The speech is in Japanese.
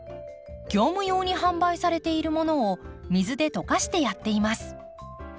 業務用に販売されているものを水で溶かしてやっています。